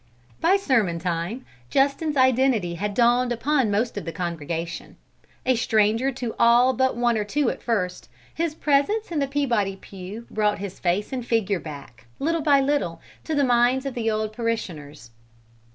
By sermon time Justin's identity had dawned upon most of the congregation. A stranger to all but one or two at first, his presence in the Peabody pew brought his face and figure back, little by little, to the minds of the old parishioners.